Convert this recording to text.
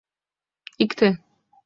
Икте!..